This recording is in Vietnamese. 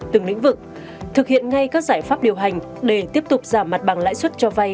từng lĩnh vực thực hiện ngay các giải pháp điều hành để tiếp tục giảm mặt bằng lãi suất cho vay